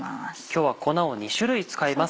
今日は粉を２種類使います。